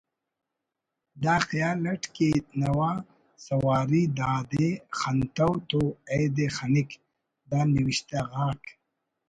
(دا خیال اٹ کہ نوا سواری دا دے خنتو تو ایدے خنک) دا نوشتہ غاک